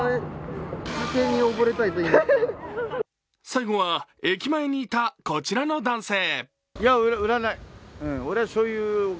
最後は駅前にいたこちらの男性。